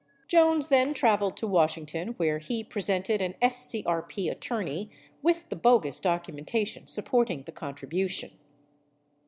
Jones then traveled to Washington where he presented an FCRP attorney with the bogus documentation supporting the contribution.